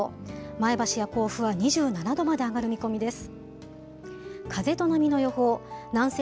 前橋や甲府は２７度まで上がる見込みです。